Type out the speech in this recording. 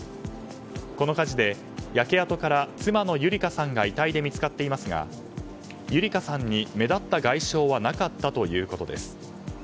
この火事で焼け跡から妻の優理香さんが遺体で見つかっていますが優理香さんに目立った外傷はなかったということです。